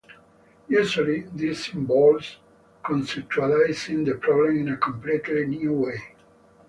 Usually, this involves conceptualizing the problem in a completely new way.